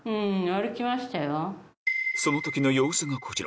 その時の様子がこちら